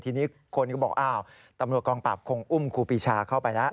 ทีนี้คนก็บอกอ้าวตำรวจกองปราบคงอุ้มครูปีชาเข้าไปแล้ว